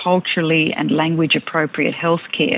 untuk orang orang yang berada di luar